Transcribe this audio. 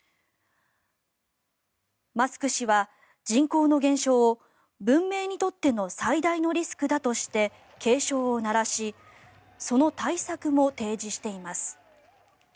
マスク氏は人口の減少を文明にとっての最大のリスクだとして警鐘を鳴らしその対策も提示しています。